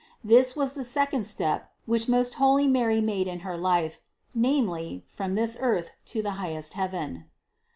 This was the second step, which most holy Mary made in her life, namely, from this earth to the highest heaven.